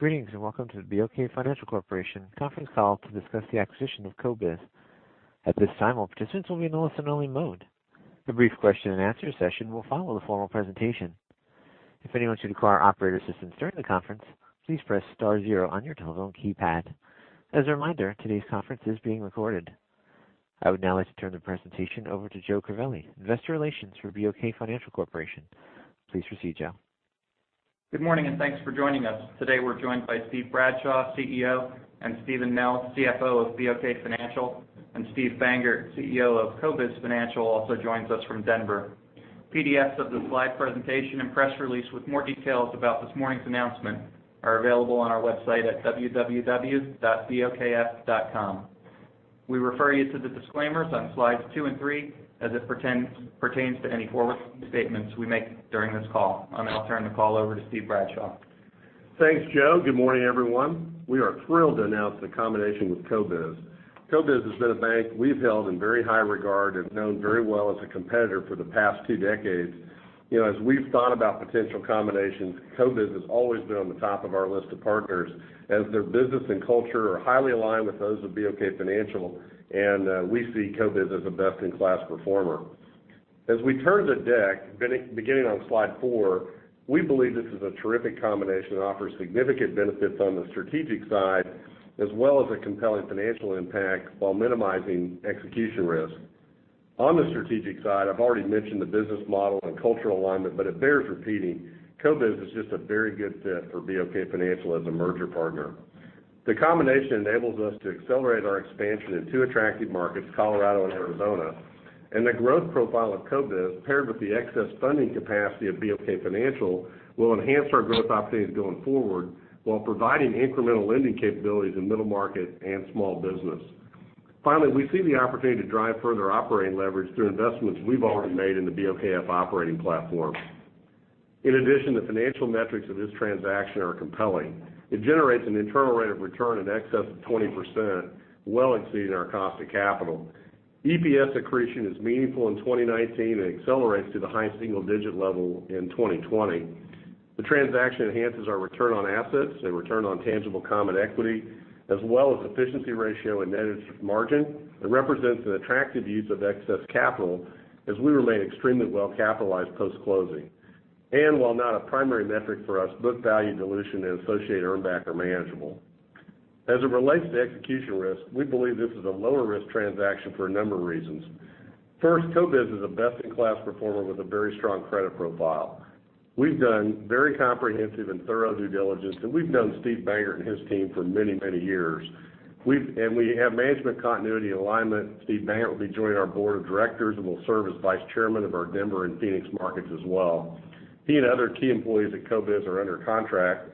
Greetings. Welcome to the BOK Financial Corporation conference call to discuss the acquisition of CoBiz. At this time, all participants will be in listen-only mode. A brief question and answer session will follow the formal presentation. If anyone should require operator assistance during the conference, please press star zero on your telephone keypad. As a reminder, today's conference is being recorded. I would now like to turn the presentation over to Joe Crivelli, Investor Relations for BOK Financial Corporation. Please proceed, Joe. Good morning. Thanks for joining us. Today we're joined by Steven Bradshaw, CEO, and Steven Nell, CFO of BOK Financial, and Steven Bangert, CEO of CoBiz Financial, also joins us from Denver. PDFs of the slide presentation and press release with more details about this morning's announcement are available on our website at www.bokf.com. We refer you to the disclaimers on slides two and three as it pertains to any forward-looking statements we make during this call. I'll now turn the call over to Steven Bradshaw. Thanks, Joe. Good morning, everyone. We are thrilled to announce the combination with CoBiz. CoBiz has been a bank we've held in very high regard and known very well as a competitor for the past two decades. As we've thought about potential combinations, CoBiz has always been on the top of our list of partners as their business and culture are highly aligned with those of BOK Financial. We see CoBiz as a best-in-class performer. As we turn the deck, beginning on slide four, we believe this is a terrific combination that offers significant benefits on the strategic side, as well as a compelling financial impact while minimizing execution risk. On the strategic side, I've already mentioned the business model and cultural alignment. It bears repeating. CoBiz is just a very good fit for BOK Financial as a merger partner. The combination enables us to accelerate our expansion in two attractive markets, Colorado and Arizona. The growth profile of CoBiz, paired with the excess funding capacity of BOK Financial, will enhance our growth opportunities going forward while providing incremental lending capabilities in middle market and small business. Finally, we see the opportunity to drive further operating leverage through investments we've already made in the BOKF operating platform. In addition, the financial metrics of this transaction are compelling. It generates an internal rate of return in excess of 20%, well exceeding our cost of capital. EPS accretion is meaningful in 2019 and accelerates to the high single-digit level in 2020. The transaction enhances our return on assets and return on tangible common equity, as well as efficiency ratio and net interest margin. It represents an attractive use of excess capital as we remain extremely well-capitalized post-closing. While not a primary metric for us, book value dilution and associated earnback are manageable. As it relates to execution risk, we believe this is a lower-risk transaction for a number of reasons. First, CoBiz is a best-in-class performer with a very strong credit profile. We've done very comprehensive and thorough due diligence, and we've known Steven Bangert and his team for many years. We have management continuity alignment. Steven Bangert will be joining our board of directors and will serve as vice chairman of our Denver and Phoenix markets as well. He and other key employees at CoBiz are under contract.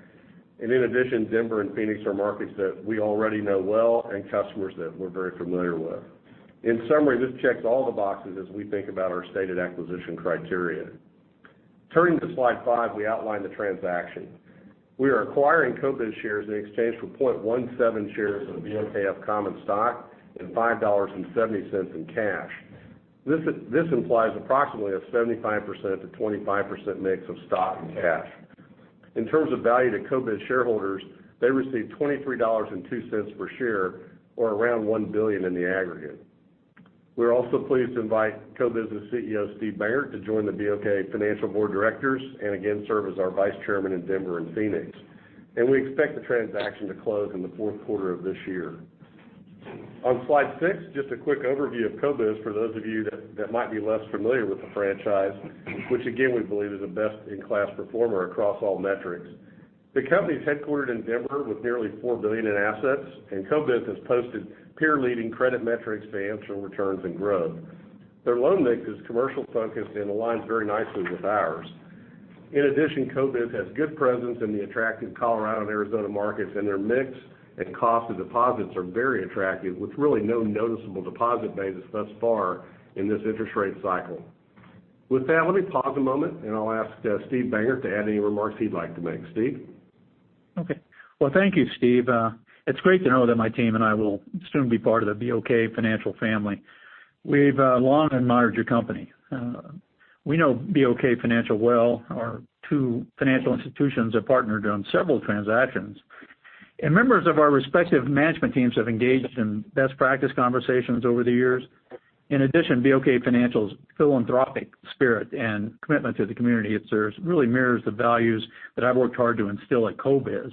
In addition, Denver and Phoenix are markets that we already know well and customers that we're very familiar with. In summary, this checks all the boxes as we think about our stated acquisition criteria. Turning to slide five, we outline the transaction. We are acquiring CoBiz shares in exchange for 0.17 shares of BOKF common stock and $5.70 in cash. This implies approximately a 75%-25% mix of stock and cash. In terms of value to CoBiz shareholders, they receive $23.02 per share, or around $1 billion in the aggregate. We're also pleased to invite CoBiz's CEO, Steven Bangert, to join the BOK Financial board of directors, and again, serve as our vice chairman in Denver and Phoenix. We expect the transaction to close in the fourth quarter of this year. On slide six, just a quick overview of CoBiz for those of you that might be less familiar with the franchise, which again, we believe is a best-in-class performer across all metrics. The company is headquartered in Denver with nearly $4 billion in assets, and CoBiz has posted peer-leading credit metrics, financial returns, and growth. Their loan mix is commercial focused and aligns very nicely with ours. In addition, CoBiz has good presence in the attractive Colorado and Arizona markets, and their mix and cost of deposits are very attractive, with really no noticeable deposit betas thus far in this interest rate cycle. With that, let me pause a moment, and I'll ask Steven Bangert to add any remarks he'd like to make. Steven? Okay. Well, thank you, Steven. It's great to know that my team and I will soon be part of the BOK Financial family. We've long admired your company. We know BOK Financial well. Our two financial institutions have partnered on several transactions, and members of our respective management teams have engaged in best practice conversations over the years. In addition, BOK Financial's philanthropic spirit and commitment to the community it serves really mirrors the values that I've worked hard to instill at CoBiz.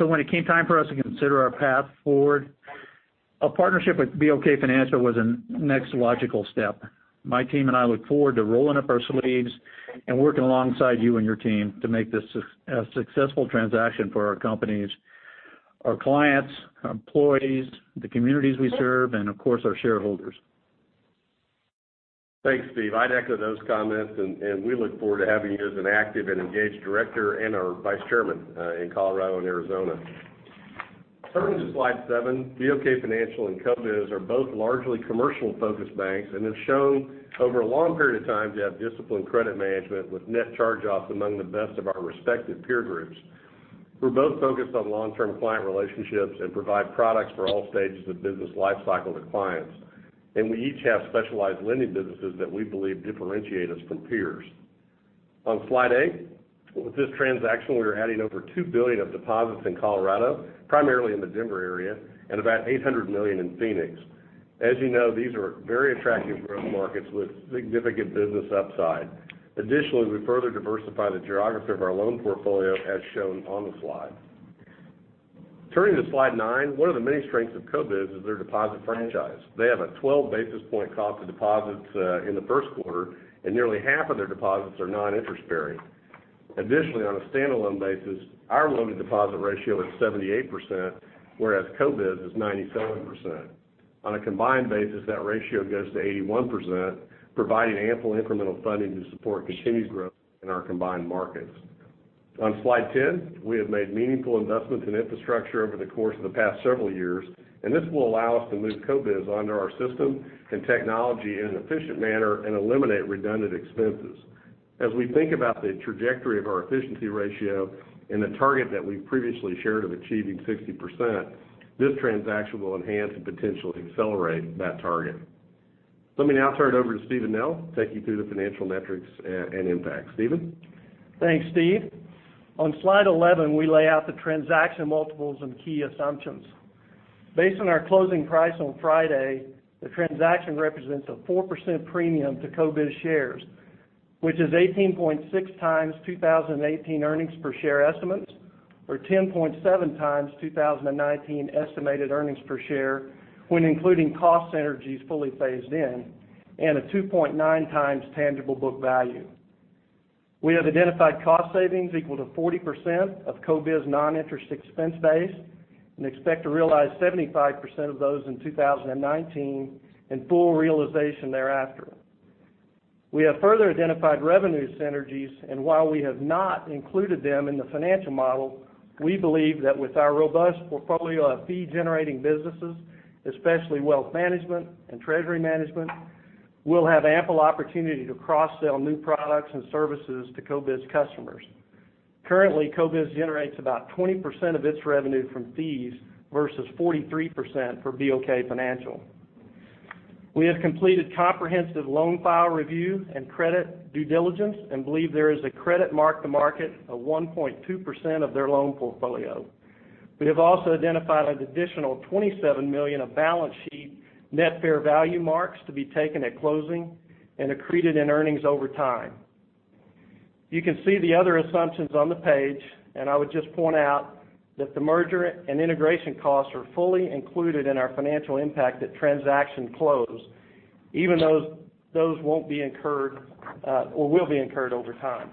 When it came time for us to consider our path forward, a partnership with BOK Financial was a next logical step. My team and I look forward to rolling up our sleeves and working alongside you and your team to make this a successful transaction for our companies, our clients, our employees, the communities we serve, and of course, our shareholders. Thanks, Steve. We look forward to having you as an active and engaged director and our vice chairman in Colorado and Arizona. Turning to slide seven, BOK Financial and CoBiz are both largely commercial-focused banks and have shown over a long period of time to have disciplined credit management with net charge-offs among the best of our respective peer groups. We each have specialized lending businesses that we believe differentiate us from peers. On slide 8, with this transaction, we are adding over $2 billion of deposits in Colorado, primarily in the Denver area, and about $800 million in Phoenix. As you know, these are very attractive growth markets with significant business upside. Additionally, we further diversify the geography of our loan portfolio as shown on the slide. Turning to slide 9, one of the many strengths of CoBiz is their deposit franchise. They have a 12 basis point cost of deposits in the first quarter, and nearly half of their deposits are non-interest bearing. Additionally, on a standalone basis, our loan-to-deposit ratio is 78%, whereas CoBiz is 97%. On a combined basis, that ratio goes to 81%, providing ample incremental funding to support continued growth in our combined markets. On slide 10, we have made meaningful investments in infrastructure over the course of the past several years. This will allow us to move CoBiz onto our system and technology in an efficient manner and eliminate redundant expenses. As we think about the trajectory of our efficiency ratio and the target that we've previously shared of achieving 60%, this transaction will enhance and potentially accelerate that target. Let me now turn it over to Steven Nell to take you through the financial metrics and impact. Steven? Thanks, Steve. On slide 11, we lay out the transaction multiples and key assumptions. Based on our closing price on Friday, the transaction represents a 4% premium to CoBiz shares, which is 18.6 times 2018 earnings per share estimates, or 10.7 times 2019 estimated earnings per share when including cost synergies fully phased in, and a 2.9 times tangible book value. We have identified cost savings equal to 40% of CoBiz non-interest expense base and expect to realize 75% of those in 2019 and full realization thereafter. While we have not included them in the financial model, we believe that with our robust portfolio of fee-generating businesses, especially wealth management and treasury management, we'll have ample opportunity to cross-sell new products and services to CoBiz customers. Currently, CoBiz generates about 20% of its revenue from fees versus 43% for BOK Financial. We have completed comprehensive loan file review and credit due diligence and believe there is a credit mark-to-market of 1.2% of their loan portfolio. We have also identified an additional $27 million of balance sheet net fair value marks to be taken at closing and accreted in earnings over time. You can see the other assumptions on the page, and I would just point out that the merger and integration costs are fully included in our financial impact at transaction close, even though those will be incurred over time.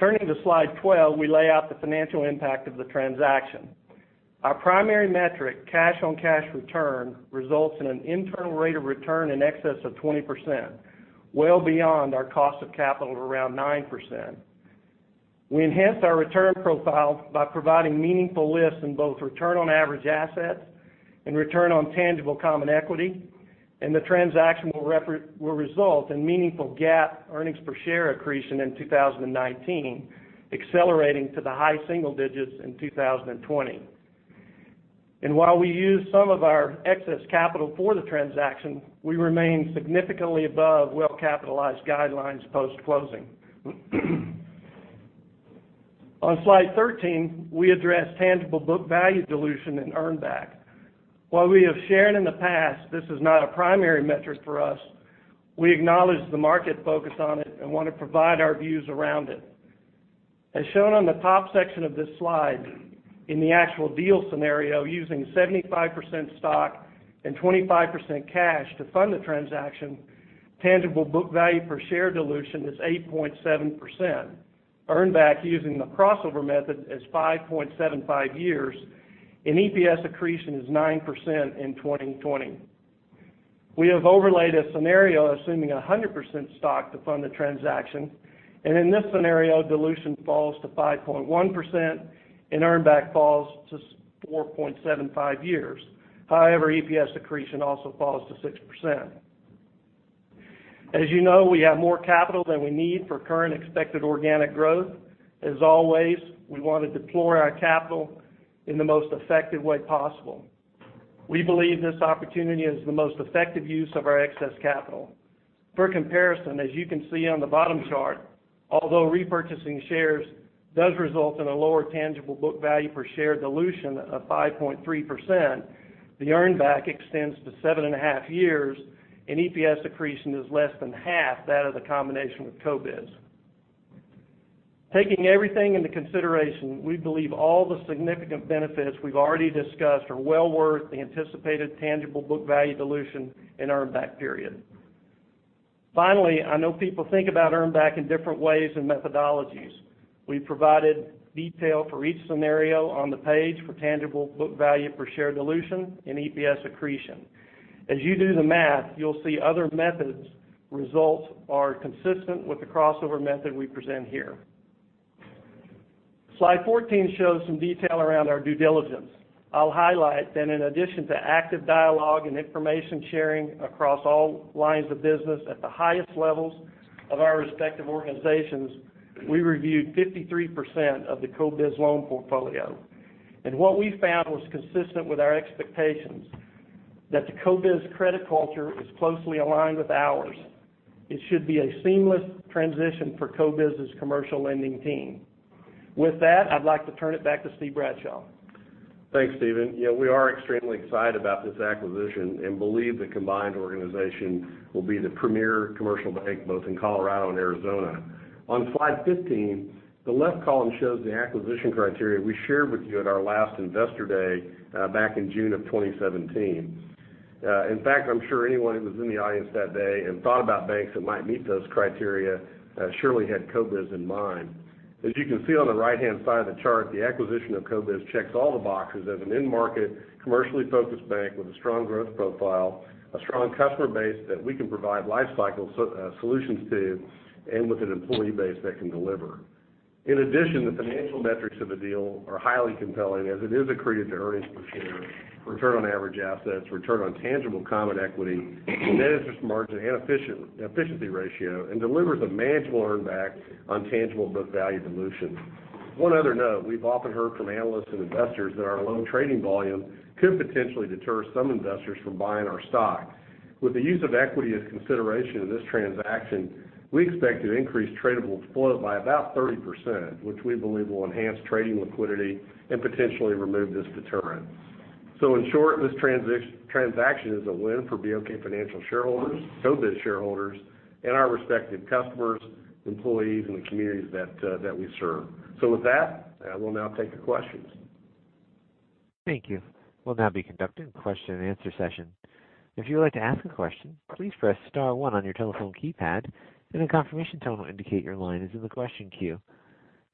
Turning to Slide 12, we lay out the financial impact of the transaction. Our primary metric, cash-on-cash return, results in an internal rate of return in excess of 20%, well beyond our cost of capital of around 9%. We enhance our return profile by providing meaningful lifts in both return on average assets and return on tangible common equity, and the transaction will result in meaningful GAAP earnings per share accretion in 2019, accelerating to the high single digits in 2020. While we use some of our excess capital for the transaction, we remain significantly above well-capitalized guidelines post-closing. On Slide 13, we address tangible book value dilution and earn back. While we have shared in the past this is not a primary metric for us, we acknowledge the market focus on it and want to provide our views around it. As shown on the top section of this slide, in the actual deal scenario using 75% stock and 25% cash to fund the transaction, tangible book value per share dilution is 8.7%. Earn back using the crossover method is 5.75 years, and EPS accretion is 9% in 2020. We have overlaid a scenario assuming 100% stock to fund the transaction, and in this scenario, dilution falls to 5.1% and earn back falls to 4.75 years. However, EPS accretion also falls to 6%. As you know, we have more capital than we need for current expected organic growth. As always, we want to deploy our capital in the most effective way possible. We believe this opportunity is the most effective use of our excess capital. For comparison, as you can see on the bottom chart, although repurchasing shares does result in a lower tangible book value per share dilution of 5.3%, the earn back extends to seven and a half years, and EPS accretion is less than half that of the combination with CoBiz. Taking everything into consideration, we believe all the significant benefits we've already discussed are well worth the anticipated tangible book value dilution and earn back period. Finally, I know people think about earn back in different ways and methodologies. We provided detail for each scenario on the page for tangible book value per share dilution and EPS accretion. As you do the math, you'll see other methods' results are consistent with the crossover method we present here. Slide 14 shows some detail around our due diligence. I'll highlight that in addition to active dialogue and information sharing across all lines of business at the highest levels of our respective organizations, we reviewed 53% of the CoBiz loan portfolio. What we found was consistent with our expectations, that the CoBiz credit culture is closely aligned with ours. It should be a seamless transition for CoBiz's commercial lending team. With that, I'd like to turn it back to Steve Bradshaw. Thanks, Steven. We are extremely excited about this acquisition and believe the combined organization will be the premier commercial bank, both in Colorado and Arizona. On slide 15, the left column shows the acquisition criteria we shared with you at our last Investor Day back in June of 2017. In fact, I'm sure anyone who was in the audience that day and thought about banks that might meet those criteria surely had CoBiz in mind. As you can see on the right-hand side of the chart, the acquisition of CoBiz checks all the boxes as an in-market, commercially focused bank with a strong growth profile, a strong customer base that we can provide life cycle solutions to, and with an employee base that can deliver. The financial metrics of the deal are highly compelling as it is accretive to earnings per share, return on average assets, return on tangible common equity, net interest margin, and efficiency ratio, and delivers a manageable earn back on tangible book value dilution. One other note, we've often heard from analysts and investors that our loan trading volume could potentially deter some investors from buying our stock. With the use of equity as consideration in this transaction, we expect to increase tradable float by about 30%, which we believe will enhance trading liquidity and potentially remove this deterrent. In short, this transaction is a win for BOK Financial shareholders, CoBiz shareholders, and our respective customers, employees, and the communities that we serve. With that, we'll now take your questions. Thank you. We'll now be conducting a question and answer session. If you would like to ask a question, please press *1 on your telephone keypad, and a confirmation tone will indicate your line is in the question queue.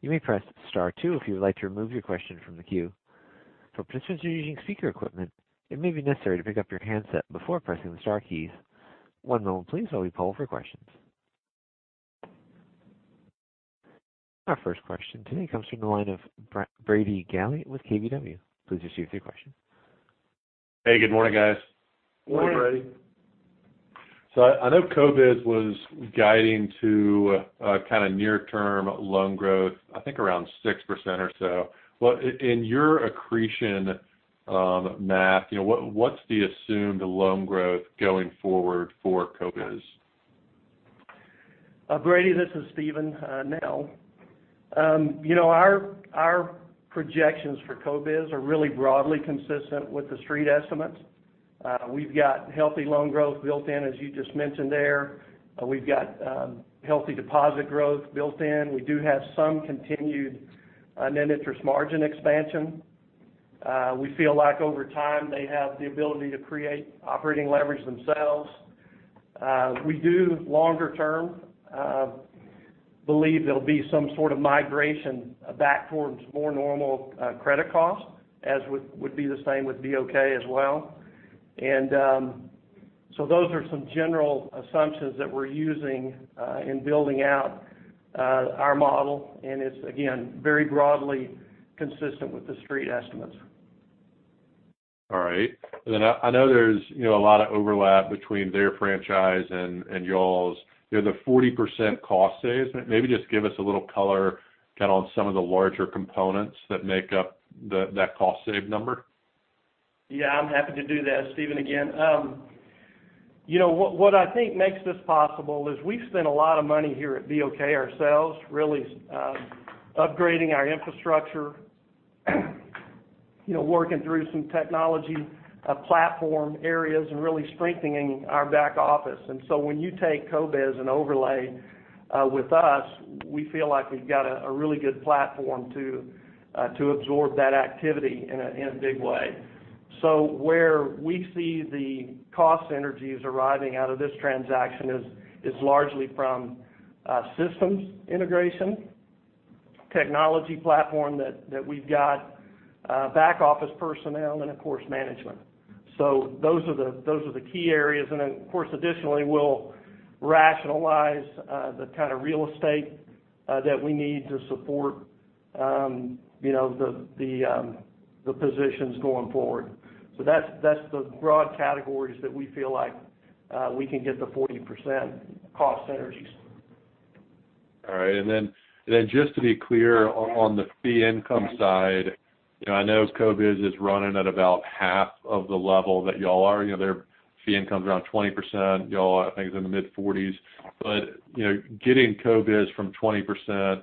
You may press *2 if you would like to remove your question from the queue. For participants who are using speaker equipment, it may be necessary to pick up your handset before pressing the star keys. One moment please while we poll for questions. Our first question today comes from the line of Brady Gailey with KBW. Please proceed with your question. Hey, good morning, guys. Morning. Morning, Brady. I know CoBiz was guiding to kind of near term loan growth, I think around 6% or so. In your accretion math, what's the assumed loan growth going forward for CoBiz? Brady, this is Steven. Our projections for CoBiz are really broadly consistent with the Street estimates. We've got healthy loan growth built in, as you just mentioned there. We've got healthy deposit growth built in. We do have some continued net interest margin expansion. We feel like over time, they have the ability to create operating leverage themselves. We do, longer term, believe there'll be some sort of migration back towards more normal credit costs, as would be the same with BOK as well. Those are some general assumptions that we're using in building out our model, and it's, again, very broadly consistent with the Street estimates. All right. I know there's a lot of overlap between their franchise and y'all's. The 40% cost saves, maybe just give us a little color on some of the larger components that make up that cost save number. Yeah, I'm happy to do that. Steven again. What I think makes this possible is we've spent a lot of money here at BOK ourselves, really upgrading our infrastructure, working through some technology platform areas, and really strengthening our back office. When you take CoBiz and overlay with us, we feel like we've got a really good platform to absorb that activity in a big way. Where we see the cost synergies arriving out of this transaction is largely from systems integration, technology platform that we've got, back office personnel, and of course, management. Those are the key areas. Of course, additionally, we'll rationalize the kind of real estate that we need to support the positions going forward. That's the broad categories that we feel like we can get the 40% cost synergies. All right. Just to be clear on the fee income side, I know CoBiz is running at about half of the level that y'all are. Their fee income's around 20%, y'all I think is in the mid-40s. Getting CoBiz from 20%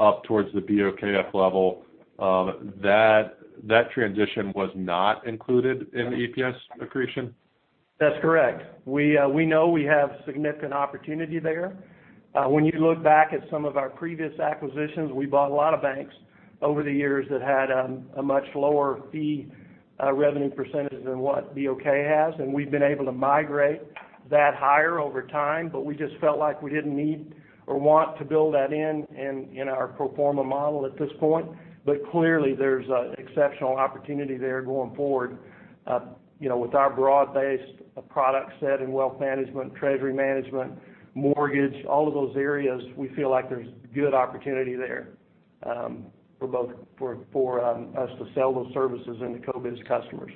up towards the BOKF level, that transition was not included in the EPS accretion? That's correct. We know we have significant opportunity there. When you look back at some of our previous acquisitions, we bought a lot of banks over the years that had a much lower fee revenue percentage than what BOK has, and we've been able to migrate that higher over time. We just felt like we didn't need or want to build that in in our pro forma model at this point. Clearly, there's exceptional opportunity there going forward. With our broad-based product set in wealth management, treasury management, mortgage, all of those areas, we feel like there's good opportunity there for us to sell those services into CoBiz customers.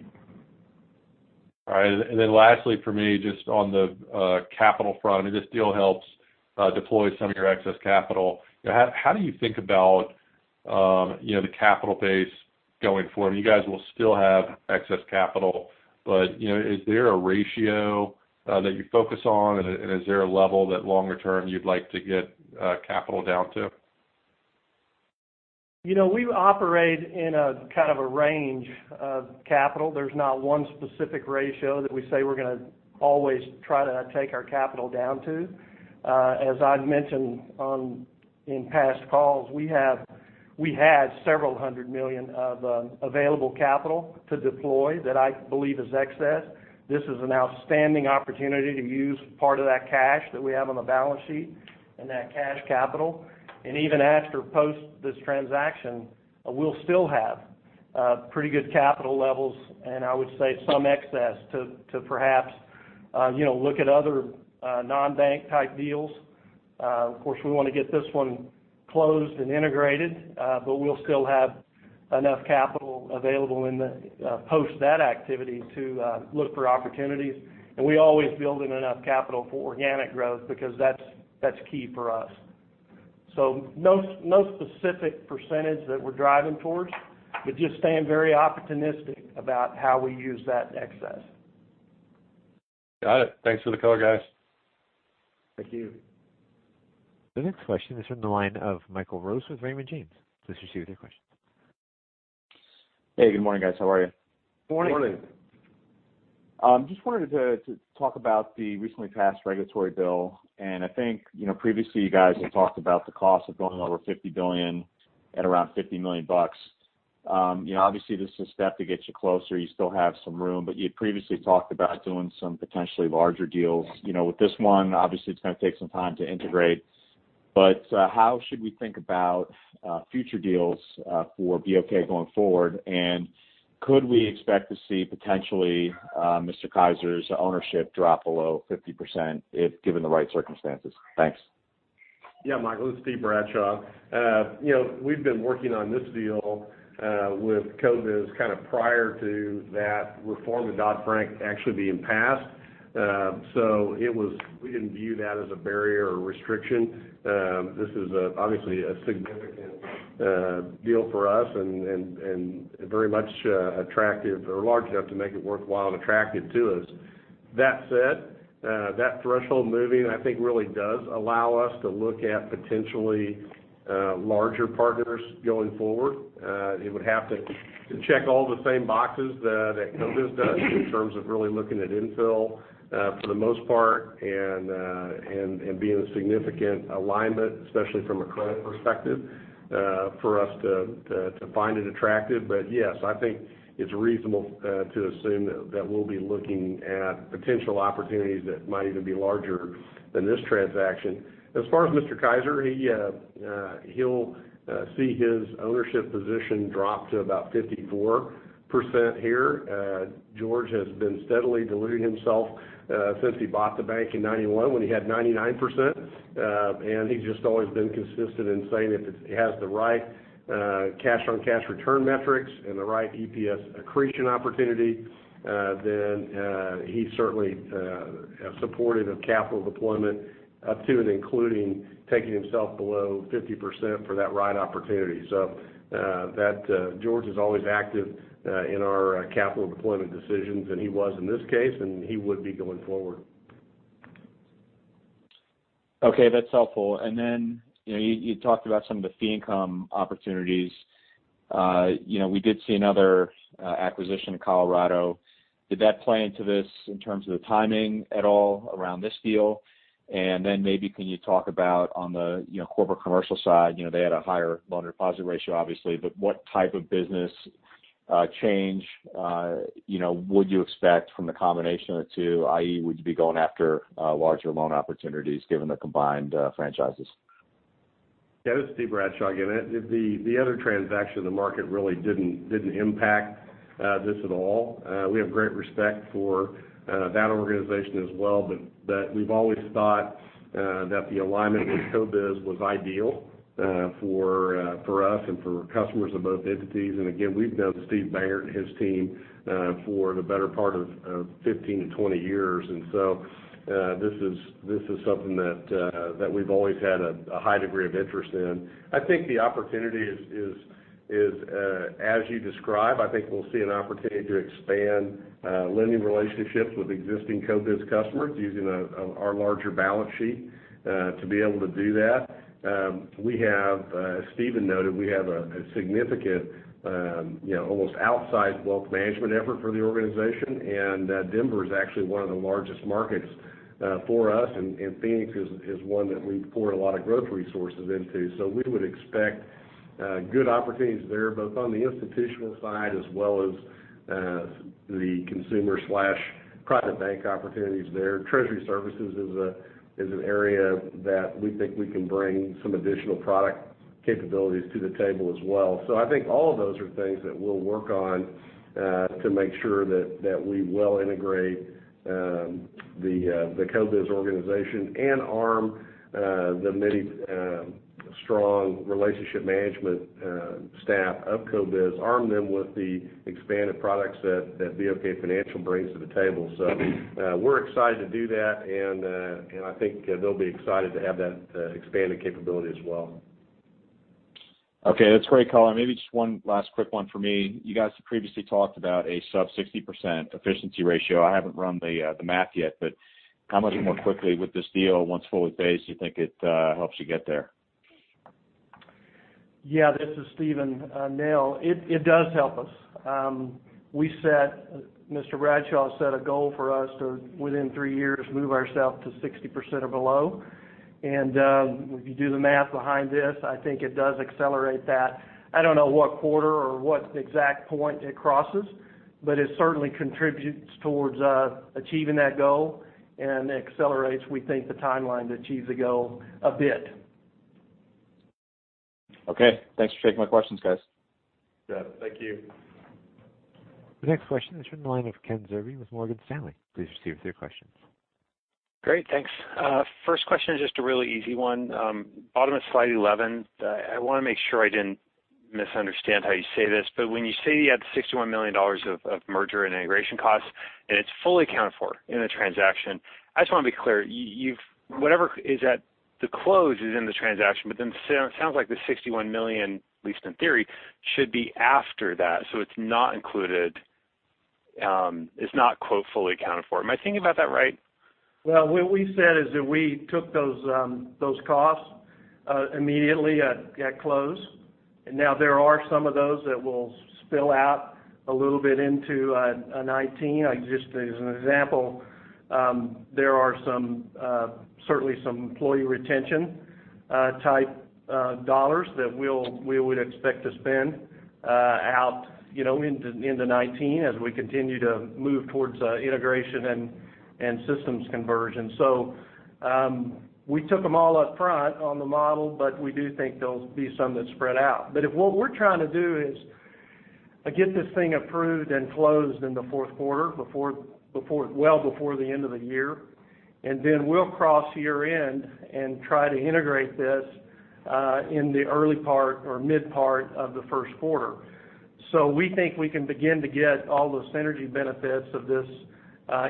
Lastly for me, just on the capital front, this deal helps deploy some of your excess capital. How do you think about the capital base going forward? You guys will still have excess capital, but is there a ratio that you focus on, and is there a level that longer term you'd like to get capital down to? We operate in a kind of a range of capital. There's not one specific ratio that we say we're going to always try to take our capital down to. As I'd mentioned in past calls, we had $several hundred million of available capital to deploy that I believe is excess. This is an outstanding opportunity to use part of that cash that we have on the balance sheet and that cash capital. Even after post this transaction, we'll still have pretty good capital levels and I would say some excess to perhaps look at other non-bank type deals. Of course, we want to get this one closed and integrated, but we'll still have enough capital available in the post that activity to look for opportunities. We always build in enough capital for organic growth because that's key for us. No specific percentage that we're driving towards, but just staying very opportunistic about how we use that excess. Got it. Thanks for the color, guys. Thank you. The next question is from the line of Michael Rose with Raymond James. Please proceed with your question. Hey, good morning, guys. How are you? Morning. Morning. I think previously you guys had talked about the cost of going over $50 billion at around $50 million. Obviously, this is a step to get you closer. You still have some room, but you had previously talked about doing some potentially larger deals. With this one, obviously, it is going to take some time to integrate. How should we think about future deals for BOK going forward? Could we expect to see potentially George Kaiser's ownership drop below 50% if given the right circumstances? Thanks. Michael, this is Steve Bradshaw. We've been working on this deal with CoBiz prior to that reform of Dodd-Frank being passed. We didn't view that as a barrier or restriction. This is obviously a significant deal for us and very much attractive or large enough to make it worthwhile and attractive to us. That said, that threshold moving, I think, really does allow us to look at potentially larger partners going forward. It would have to check all the same boxes that CoBiz does in terms of really looking at infill for the most part and being a significant alignment, especially from a credit perspective for us to find it attractive. Yes, I think it's reasonable to assume that we'll be looking at potential opportunities that might even be larger than this transaction. As far as Mr. Kaiser, he'll see his ownership position drop to about 54% here. George has been steadily diluting himself since he bought the bank in 1991 when he had 99%. He's always been consistent in saying if it has the right cash-on-cash return metrics and the right EPS accretion opportunity, then he's certainly supportive of capital deployment up to and including taking himself below 50% for that right opportunity. George is always active in our capital deployment decisions, and he was in this case, and he would be going forward. That's helpful. You talked about some of the fee income opportunities. We did see another acquisition in Colorado. Did that play into this in terms of the timing at all around this deal? Maybe can you talk about on the corporate commercial side, they had a higher loan deposit ratio, obviously, but what type of business change would you expect from the combination of the two, i.e., would you be going after larger loan opportunities given the combined franchises? This is Steve Bradshaw again. The other transaction in the market really didn't impact this at all. We have great respect for that organization as well. We've always thought that the alignment with CoBiz was ideal for us and for customers of both entities. We've known Steve Bangert and his team for the better part of 15 to 20 years. This is something that we've always had a high degree of interest in. I think the opportunity is as you describe. I think we'll see an opportunity to expand lending relationships with existing CoBiz customers using our larger balance sheet to be able to do that. As Steven noted, we have a significant almost outsized wealth management effort for the organization, and Denver is actually one of the largest markets for us, and Phoenix is one that we've poured a lot of growth resources into. We would expect good opportunities there, both on the institutional side as well as the consumer/private bank opportunities there. Treasury services is an area that we think we can bring some additional product capabilities to the table as well. I think all of those are things that we'll work on to make sure that we well integrate the CoBiz Financial organization and arm the many strong relationship management staff of CoBiz Financial, arm them with the expanded products that BOK Financial brings to the table. We're excited to do that, and I think they'll be excited to have that expanded capability as well. Okay. That's great, color. Maybe just one last quick one from me. You guys have previously talked about a sub 60% efficiency ratio. I haven't run the math yet, but how much more quickly with this deal, once fully phased, do you think it helps you get there? This is Steven Nell, it does help us. Mr. Bradshaw set a goal for us to, within 3 years, move ourself to 60% or below. If you do the math behind this, I think it does accelerate that. I don't know what quarter or what exact point it crosses, but it certainly contributes towards achieving that goal and accelerates, we think, the timeline to achieve the goal a bit. Okay. Thanks for taking my questions, guys. Got it. Thank you. The next question is from the line of Kenneth Zerbe with Morgan Stanley. Please proceed with your question. Great. Thanks. First question is just a really easy one. Bottom of slide 11, I want to make sure I didn't misunderstand how you say this, but when you say you had the $61 million of merger and integration costs, it's fully accounted for in the transaction, I just want to be clear. Whatever is at the close is in the transaction, it sounds like the $61 million, at least in theory, should be after that, so it's not included, it's not, quote, "fully accounted for." Am I thinking about that right? Well, what we said is that we took those costs immediately at close. Now there are some of those that will spill out a little bit into 2019. Just as an example, there are certainly some employee retention type dollars that we would expect to spend out into 2019 as we continue to move towards integration and systems conversion. We took them all up front on the model, but we do think there'll be some that spread out. What we're trying to do is get this thing approved and closed in the fourth quarter, well before the end of the year. Then we'll cross year-end and try to integrate this in the early part or mid part of the first quarter. We think we can begin to get all the synergy benefits of this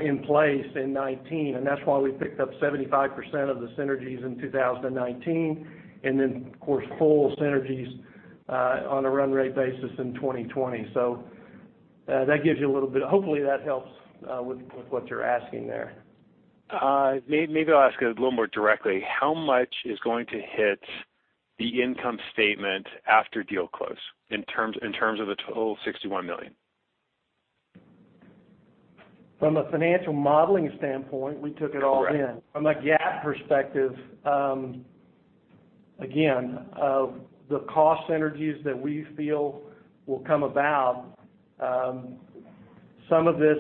in place in 2019, and that's why we picked up 75% of the synergies in 2019. Of course, full synergies on a run rate basis in 2020. Hopefully that helps with what you're asking there. Maybe I'll ask it a little more directly. How much is going to hit the income statement after deal close in terms of the total $61 million? From a financial modeling standpoint, we took it all in. Correct. From a GAAP perspective, again, of the cost synergies that we feel will come about, some of this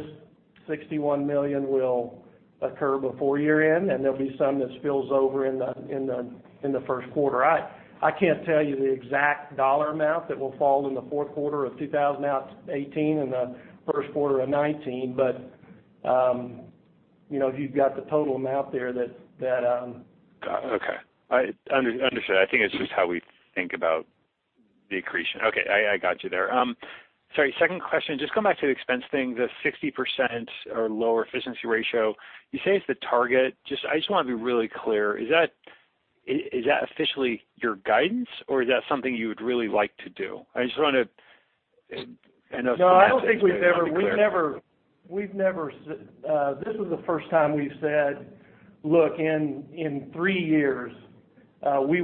$61 million will occur before year-end, and there'll be some that spills over in the first quarter. I can't tell you the exact dollar amount that will fall in the fourth quarter of 2018 and the first quarter of 2019, but you've got the total amount there. Got it. Okay. Understood. I think it's just how we think about the accretion. Okay, I got you there. Sorry, second question, just going back to the expense thing, the 60% or lower efficiency ratio. You say it's the target. I just want to be really clear. Is that officially your guidance, or is that something you would really like to do? I just want to end up. No, I don't think we've ever. clear. This is the first time we've said, look, in three years, we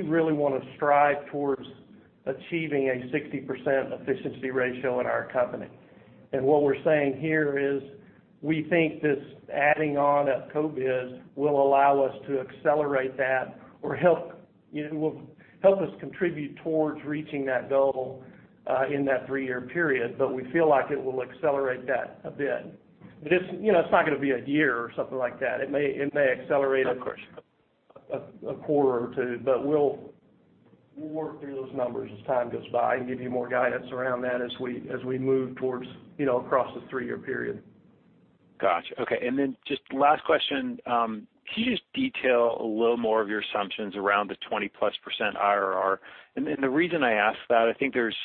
really want to strive towards achieving a 60% efficiency ratio in our company. What we're saying here is, we think this adding on of CoBiz will allow us to accelerate that or will help us contribute towards reaching that goal in that three-year period. We feel like it will accelerate that a bit. It's not going to be a year or something like that. It may accelerate. Of course. A quarter or two, we'll work through those numbers as time goes by and give you more guidance around that as we move across the three-year period. Got you. Okay, just last question. Can you just detail a little more of your assumptions around the 20+% IRR? The reason I ask that, I think there's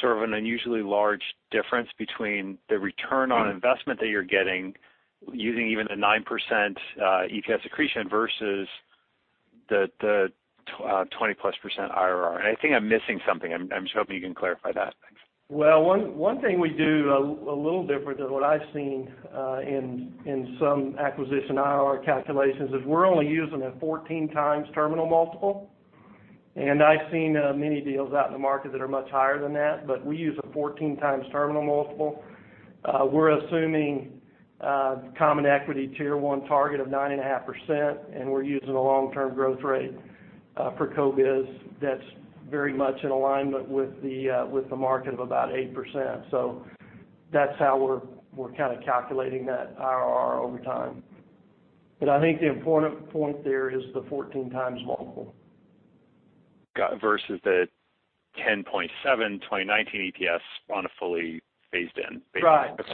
sort of an unusually large difference between the return on investment that you're getting using even the 9% EPS accretion versus the 20+% IRR. I think I'm missing something. I'm just hoping you can clarify that. Thanks. Well, one thing we do a little different than what I've seen in some acquisition IRR calculations is we're only using a 14 times terminal multiple, and I've seen many deals out in the market that are much higher than that, but we use a 14 times terminal multiple. We're assuming Common Equity Tier 1 target of 9.5%, and we're using a long-term growth rate for CoBiz that's very much in alignment with the market of about 8%. That's how we're kind of calculating that IRR over time. I think the important point there is the 14 times multiple. Versus the 10.7 2019 EPS on a fully phased in basis. Right. Okay.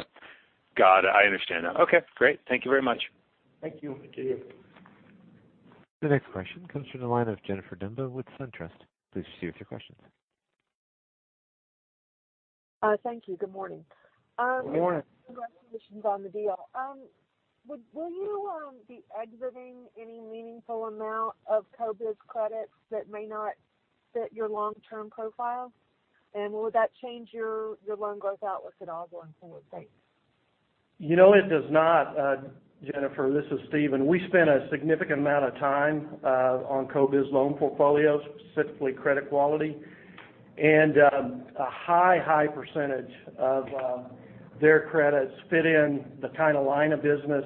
Got it. I understand that. Okay, great. Thank you very much. Thank you. The next question comes from the line of Jennifer Demba with SunTrust. Please proceed with your questions. Thank you. Good morning. Good morning. Congratulations on the deal. Will you be exiting any meaningful amount of CoBiz credits that may not fit your long-term profile? Will that change your loan growth outlook at all going forward? Thanks. You know, it does not, Jennifer. This is Steven. We spent a significant amount of time on CoBiz loan portfolios, specifically credit quality, and a high percentage of their credits fit in the kind of line of business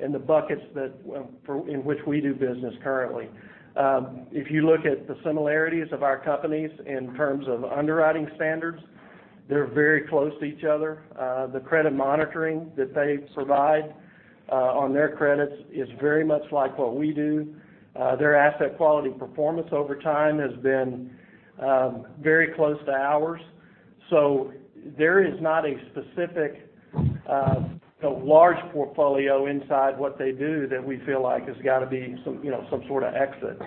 in the buckets in which we do business currently. If you look at the similarities of our companies in terms of underwriting standards, they're very close to each other. The credit monitoring that they provide on their credits is very much like what we do. Their asset quality performance over time has been very close to ours. There is not a specific large portfolio inside what they do that we feel like has got to be some sort of exit.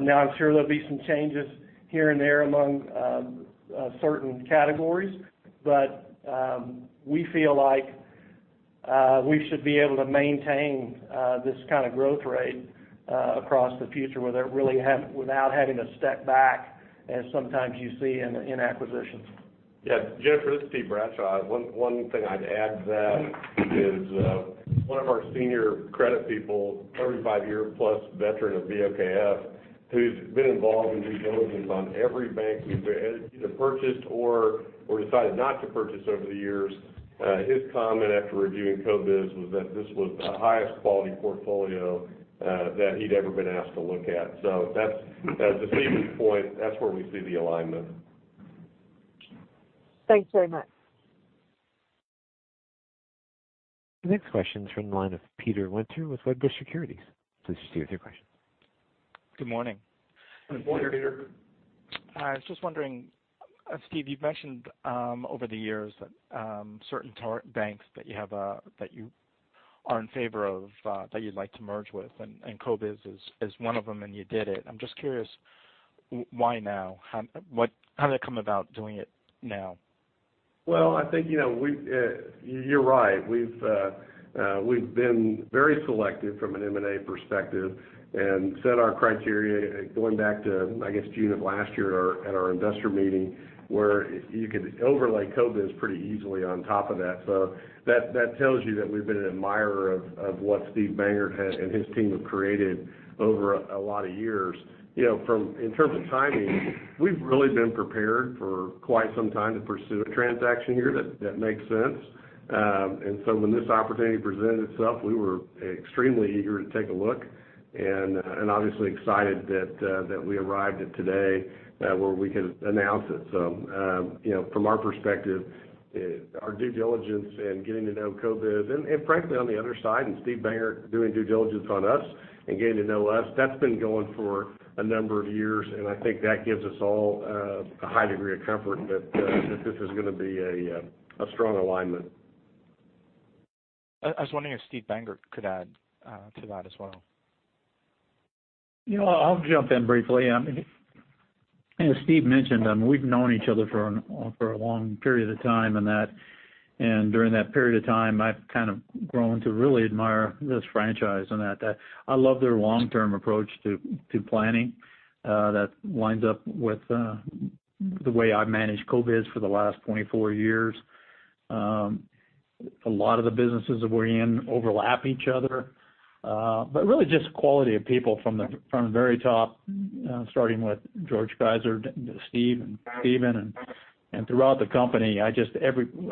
Now, I'm sure there'll be some changes here and there among certain categories. We feel like we should be able to maintain this kind of growth rate across the future without having to step back, as sometimes you see in acquisitions. Jennifer, this is Steven Bradshaw. One thing I'd add to that is one of our senior credit people, 35-year-plus veteran of BOKF, who's been involved in due diligence on every bank we've either purchased or decided not to purchase over the years, his comment after reviewing CoBiz was that this was the highest quality portfolio that he'd ever been asked to look at. To Steven's point, that's where we see the alignment. Thanks very much. The next question is from the line of Peter Winter with Wedbush Securities. Please proceed with your questions. Good morning. Good morning, Peter. I was just wondering, Steve, you've mentioned over the years that certain banks that you are in favor of, that you'd like to merge with, and CoBiz is one of them, and you did it. I'm just curious, why now? How did it come about doing it now? Well, I think you're right. We've been very selective from an M&A perspective and set our criteria going back to, I guess, June of last year at our investor meeting, where you could overlay CoBiz pretty easily on top of that. That tells you that we've been an admirer of what Steve Bangert and his team have created over a lot of years. In terms of timing, we've really been prepared for quite some time to pursue a transaction here that makes sense. When this opportunity presented itself, we were extremely eager to take a look and obviously excited that we arrived at today, where we could announce it. From our perspective, our due diligence and getting to know CoBiz and frankly, on the other side, and Steve Bangert doing due diligence on us and getting to know us, that's been going for a number of years, and I think that gives us all a high degree of comfort that this is going to be a strong alignment. I was wondering if Steven Bangert could add to that as well. I'll jump in briefly. As Steve mentioned, we've known each other for a long period of time, and during that period of time, I've kind of grown to really admire this franchise and that. I love their long-term approach to planning. That lines up with the way I've managed CoBiz for the last 24 years. A lot of the businesses that we're in overlap each other. Really just the quality of people from the very top, starting with George Kaiser, to Steve and Steven, and throughout the company, I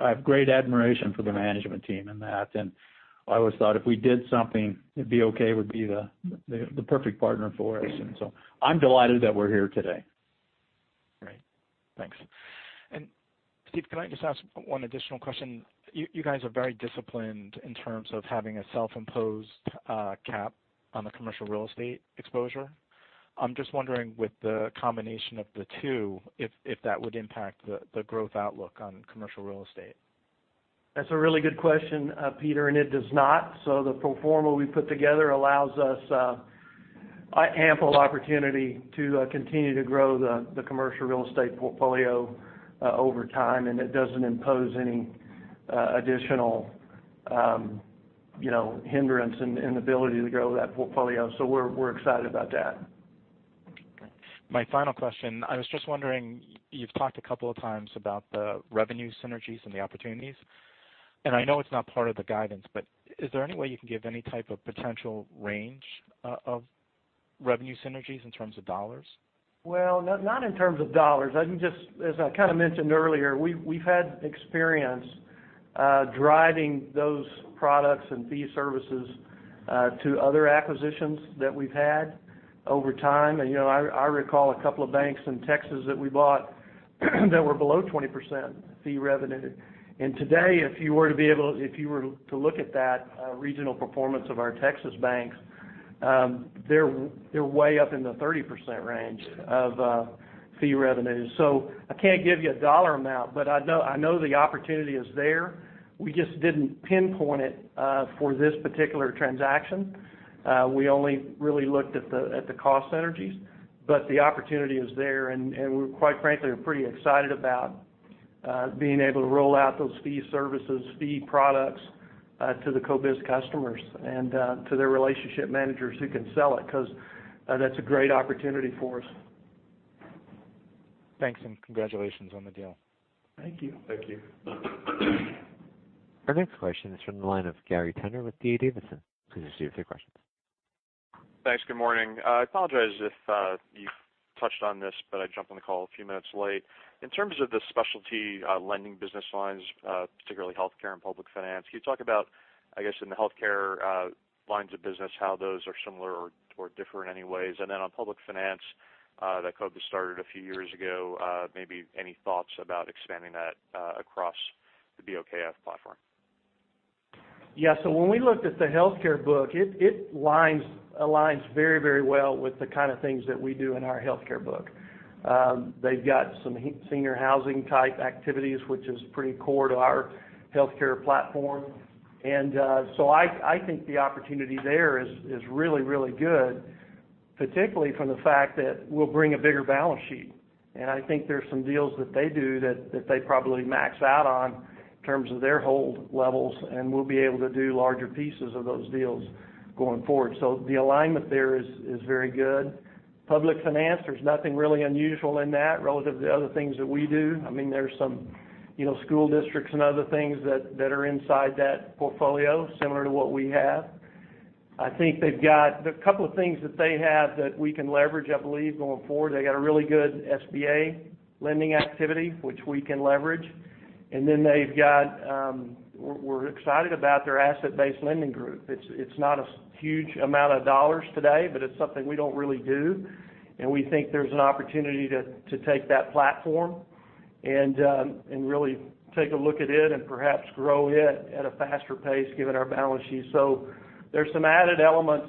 have great admiration for the management team and that. I always thought if we did something, BOK would be the perfect partner for us. I'm delighted that we're here today. Great. Thanks. Steve, can I just ask one additional question? You guys are very disciplined in terms of having a self-imposed cap on the commercial real estate exposure. I'm just wondering, with the combination of the two, if that would impact the growth outlook on commercial real estate. That's a really good question, Peter, it does not. The pro forma we put together allows us ample opportunity to continue to grow the commercial real estate portfolio over time, it doesn't impose any additional hindrance and ability to grow that portfolio. We're excited about that. Okay. My final question, I was just wondering, you've talked a couple of times about the revenue synergies and the opportunities, and I know it's not part of the guidance, but is there any way you can give any type of potential range of revenue synergies in terms of dollars? Well, not in terms of dollars. As I kind of mentioned earlier, we've had experience driving those products and fee services to other acquisitions that we've had over time. I recall a couple of banks in Texas that we bought that were below 20% fee revenue. Today, if you were to look at that regional performance of our Texas banks, they're way up in the 30% range of fee revenue. I can't give you a dollar amount, but I know the opportunity is there. We just didn't pinpoint it for this particular transaction. We only really looked at the cost synergies. The opportunity is there, and we, quite frankly, are pretty excited about being able to roll out those fee services, fee products, to the CoBiz customers and to their relationship managers who can sell it, because that's a great opportunity for us. Thanks, and congratulations on the deal. Thank you. Thank you. Our next question is from the line of Gary Tenner with D.A. Davidson. Please proceed with your questions. Thanks. Good morning. I apologize if you touched on this, but I jumped on the call a few minutes late. In terms of the specialty lending business lines, particularly healthcare and public finance, can you talk about, I guess, in the healthcare lines of business, how those are similar or different in any ways? On public finance, that CoBiz started a few years ago, maybe any thoughts about expanding that across the BOKF platform? When we looked at the healthcare book, it aligns very well with the kind of things that we do in our healthcare book. They've got some senior housing type activities, which is pretty core to our healthcare platform. I think the opportunity there is really good, particularly from the fact that we'll bring a bigger balance sheet. I think there's some deals that they do that they probably max out on in terms of their hold levels, and we'll be able to do larger pieces of those deals going forward. The alignment there is very good. Public finance, there's nothing really unusual in that relative to other things that we do. There's some school districts and other things that are inside that portfolio, similar to what we have. I think they've got a couple of things that they have that we can leverage, I believe, going forward. They got a really good SBA lending activity, which we can leverage. We're excited about their asset-based lending group. It's not a huge amount of dollars today, but it's something we don't really do. We think there's an opportunity to take that platform and really take a look at it and perhaps grow it at a faster pace given our balance sheet. There's some added elements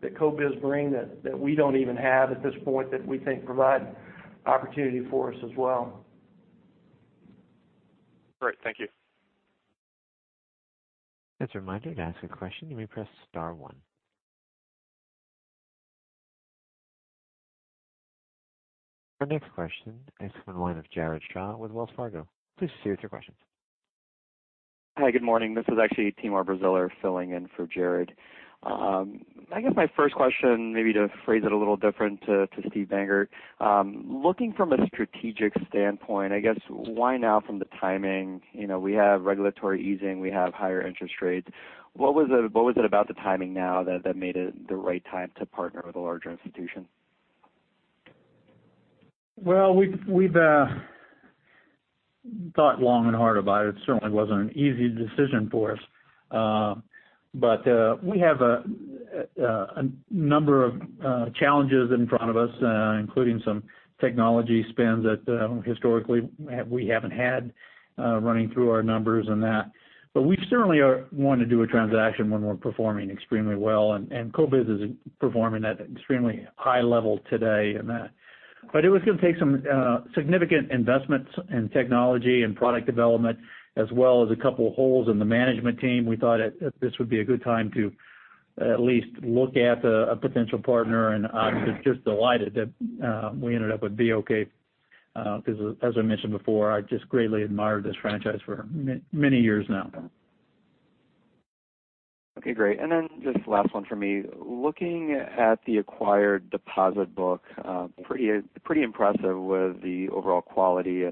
that CoBiz bring that we don't even have at this point that we think provide opportunity for us as well. Great. Thank you. As a reminder, to ask a question, you may press star one. Our next question is from the line of Jared Shaw with Wells Fargo. Please proceed with your questions. Hi, good morning. This is actually Timur Braziler filling in for Jared. I guess my first question, maybe to phrase it a little different to Steven Bangert. Looking from a strategic standpoint, I guess, why now from the timing? We have regulatory easing, we have higher interest rates. What was it about the timing now that made it the right time to partner with a larger institution? Well, we've thought long and hard about it. It certainly wasn't an easy decision for us. We have a number of challenges in front of us, including some technology spends that historically we haven't had running through our numbers and that. We certainly want to do a transaction when we're performing extremely well, and CoBiz is performing at an extremely high level today in that. It was going to take some significant investments in technology and product development, as well as a couple holes in the management team. We thought that this would be a good time to at least look at a potential partner, and I'm just delighted that we ended up with BOK because as I mentioned before, I've just greatly admired this franchise for many years now. Okay, great. Just last one for me. Looking at the acquired deposit book, pretty impressive with the overall quality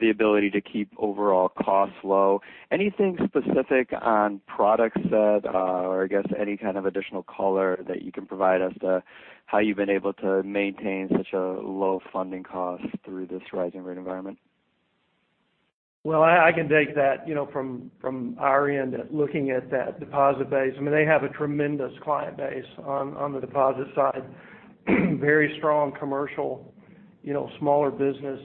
and the ability to keep overall costs low. Anything specific on product set or I guess any kind of additional color that you can provide as to how you've been able to maintain such a low funding cost through this rising rate environment? Well, I can take that from our end, looking at that deposit base. They have a tremendous client base on the deposit side. Very strong commercial, smaller business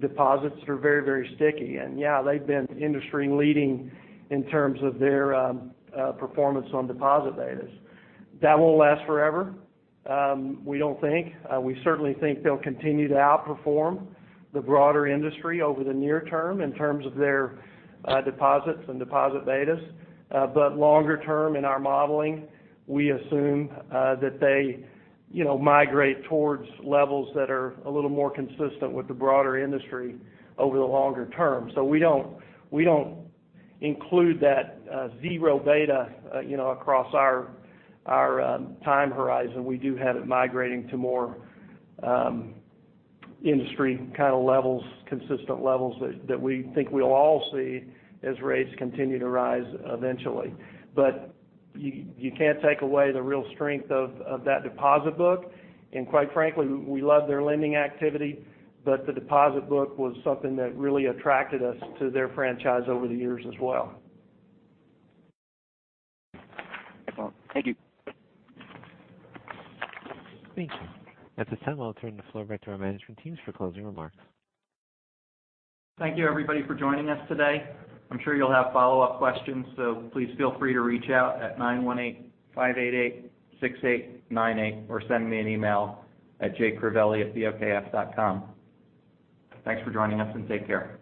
deposits that are very sticky. Yeah, they've been industry leading in terms of their performance on deposit betas. That won't last forever, we don't think. We certainly think they'll continue to outperform the broader industry over the near term in terms of their deposits and deposit betas. Longer term in our modeling, we assume that they migrate towards levels that are a little more consistent with the broader industry over the longer term. We don't include that zero beta across our time horizon. We do have it migrating to more industry kind of levels, consistent levels that we think we'll all see as rates continue to rise eventually. You can't take away the real strength of that deposit book. Quite frankly, we love their lending activity, but the deposit book was something that really attracted us to their franchise over the years as well. Excellent. Thank you. Thank you. At this time, I'll turn the floor back to our management teams for closing remarks. Thank you everybody for joining us today. I'm sure you'll have follow-up questions, please feel free to reach out at 918-588-6898 or send me an email at jkrivelli@bokf.com. Thanks for joining us, and take care.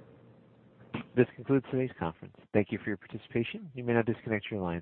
This concludes today's conference. Thank you for your participation. You may now disconnect your line.